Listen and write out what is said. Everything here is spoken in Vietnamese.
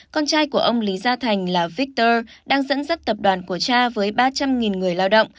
con trai của ông lý gia thành là victor đang dẫn dắt tập đoàn của cha với ba trăm linh người lao động